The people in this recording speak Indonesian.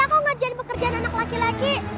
aku ngerjain pekerjaan anak laki laki